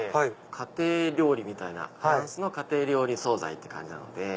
家庭料理みたいなフランスの家庭料理総菜って感じ。